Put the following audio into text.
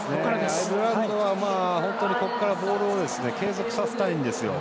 アイルランドは本当にここからボールを継続させたいんですよ。